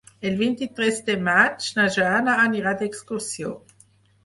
El vint-i-tres de maig na Jana anirà d'excursió.